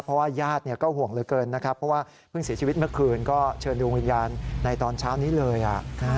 เพราะว่าญาติก็ห่วงเหลือเกินนะครับเพราะว่าเพิ่งเสียชีวิตเมื่อคืนก็เชิญดวงวิญญาณในตอนเช้านี้เลย